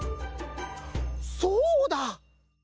そうだ！